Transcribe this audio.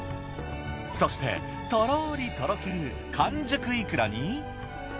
そしてとろりとろける完熟いくらに。